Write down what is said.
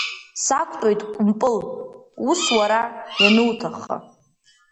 Сақәтәоит Кәмпыл, ус уара иануҭахха.